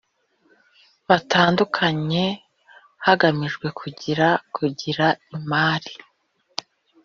batandukanye hagamijwe kugira kugira imari